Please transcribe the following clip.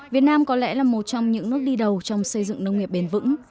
việt nam có lẽ là một trong những nước đi đầu trong xây dựng nông nghiệp bền vững